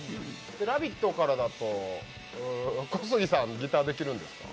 「ラヴィット！」からだと小杉さん、ギターできるんですか？